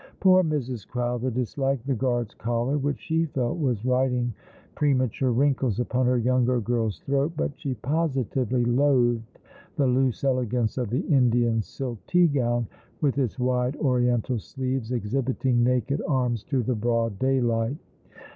Poor Mrs. Crowther disliked the Guard's collar, which she felt was writing premature wrinkles upon her younger girl's throat, but she positively loathed the loose elegance of the Indian silk tea gown, with its wide Oriental sleeves, exhibiting naked arms to tlie broad daylight.